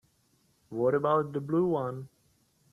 What about the blue one?